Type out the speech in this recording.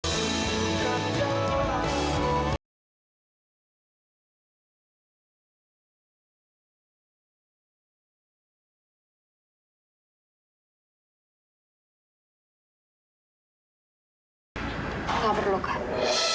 tidak perlu kak